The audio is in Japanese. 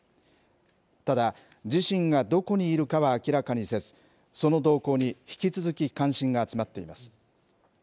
ただ、自身がどこにいるかは明らかにせず、その動向に引き続き関心が集まっています。